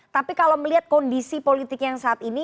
tapi kalau melihat kondisi politik yang saat ini